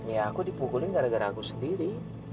ya aku dipukulin gara gara aku sendiri